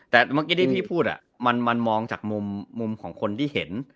แต่เมื่อกี้ที่พี่พูดมันมองจากมุมของคนที่เห็น